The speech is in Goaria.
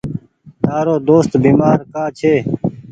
تآرو دوست بيمآر ڪآ ڇي۔